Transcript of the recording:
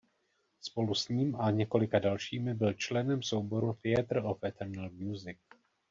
Spolu s ním a několika dalšími byl členem souboru Theatre of Eternal Music.